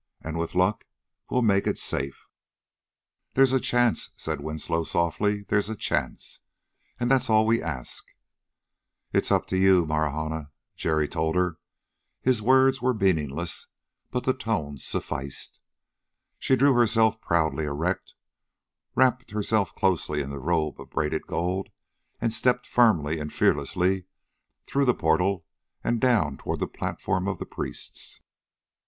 And, with luck, we'll make it safe." "There's a chance," said Winslow softly, "there's a chance and that's all we ask." "It's up to you, Marahna," Jerry told her. His words were meaningless, but the tone sufficed. She drew herself proudly erect, wrapped herself closely in the robe of braided gold, and stepped firmly and fearlessly through the portal and down toward the platform of the priests.